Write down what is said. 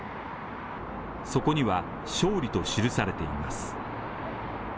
そこには勝利と記されています。